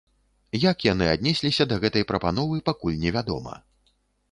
Як яны аднесліся да гэтай прапановы, пакуль невядома.